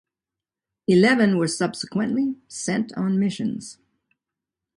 Eleven were subsequently sent on missions.